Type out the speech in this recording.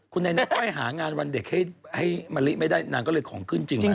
คุณนายน้ำก้อยหางานวันเด็กให้มะลิไม่ได้นางก็เลยของขึ้นจริงไหม